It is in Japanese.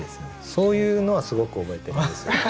そういうのはすごく覚えてるんですよ。